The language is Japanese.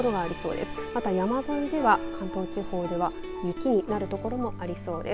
また山沿いでは関東地方では雪になる所もありそうです。